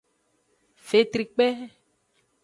Fetrikpe.